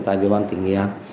tại địa bàn tỉnh nghệ an